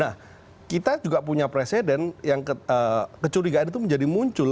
nah kita juga punya presiden yang kecurigaan itu menjadi muncul